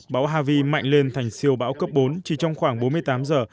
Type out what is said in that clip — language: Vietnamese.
bão havi mạnh lên thành siêu bão cấp bốn chỉ trong khoảng bốn mươi tám giờ